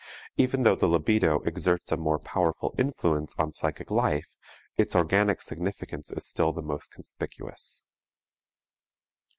Even though the libido exerts a most powerful influence on psychic life, its organic significance is still the most conspicuous.